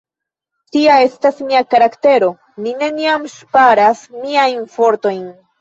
Tia estas mia karaktero, mi neniam ŝparas miajn fortojn!